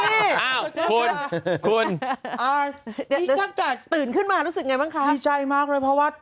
อ้าวคุณคุณนี่ตั้งแต่ตื่นขึ้นมารู้สึกไงบ้างคะดีใจมากเลยเพราะว่า